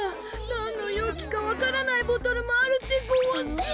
なんのようきかわからないボトルもあるでごわす！